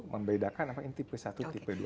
membedakan apa ini tipe satu tipe dua